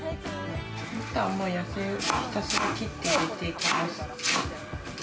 あとは野菜をひたすら切って入れていきます。